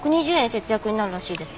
節約になるらしいです。